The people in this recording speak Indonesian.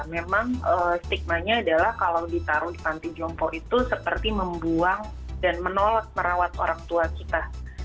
memang stigmanya adalah kalau ditaruh di panti jompo itu seperti membuang dan menolak merawat orang tua kita